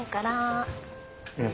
いや。